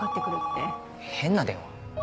変な電話？